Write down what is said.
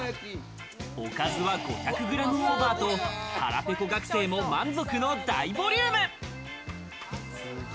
おかずは５００グラムオーバーと、腹ペコ学生も満足の大ボリューム。